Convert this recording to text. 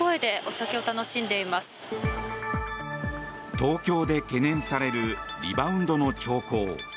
東京で懸念されるリバウンドの兆候。